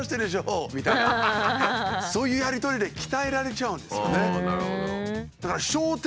そういうやり取りで鍛えられちゃうんですよね。